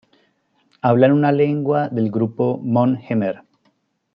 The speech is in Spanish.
Hablan una lengua del grupo mon-jemer.